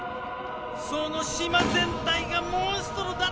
その島全体がモンストロだったのよ！